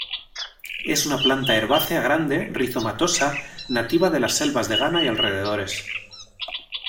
Es una planta herbácea grande, rizomatosa, nativa de las selvas de Ghana y alrededores.